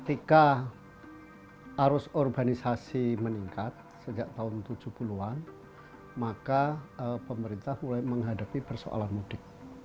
ketika arus urbanisasi meningkat sejak tahun tujuh puluh an maka pemerintah mulai menghadapi persoalan mudik